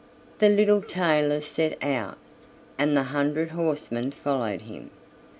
The little tailor set out, and the hundred horsemen followed him.